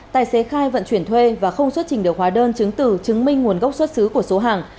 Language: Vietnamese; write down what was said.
tài xế khai vận chuyển thuê và không xuất trình được hóa đơn chứng từ chứng minh nguồn gốc xuất xứ của số hàng